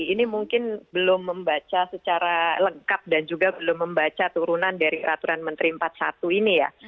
ini mungkin belum membaca secara lengkap dan juga belum membaca turunan dari peraturan menteri empat puluh satu ini ya